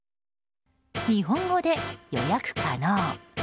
日本語で予約可能。